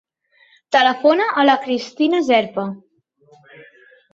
Telefona a la Cristina Zerpa.